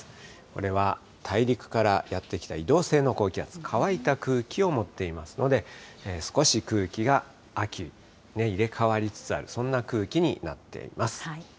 これは大陸からやって来た移動性の高気圧、乾いた空気を持っていますので、少し空気が秋、入れ代わりつつある、そんな空気になっています。